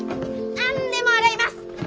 何でも洗います。